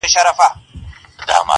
اوس به څه وايي زامنو ته پلرونه!